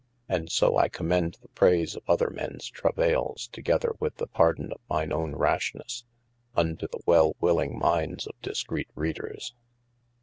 And so I comend the praise of other mens travailes together with the pardon of mine owne rashnes, unto the well willing minds of discrete readers.